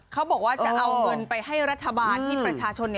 เขาบอกว่าจะเอาเงินไปให้รัฐบาลที่ประชาชน